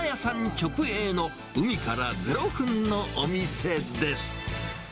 直営の海から０分のお店です。